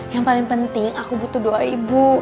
yang paling penting aku butuh doa ibu